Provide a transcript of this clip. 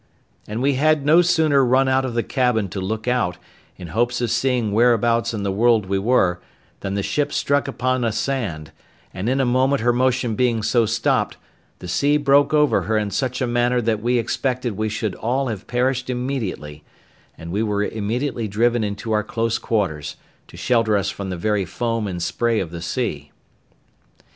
and we had no sooner run out of the cabin to look out, in hopes of seeing whereabouts in the world we were, than the ship struck upon a sand, and in a moment her motion being so stopped, the sea broke over her in such a manner that we expected we should all have perished immediately; and we were immediately driven into our close quarters, to shelter us from the very foam and spray of the sea.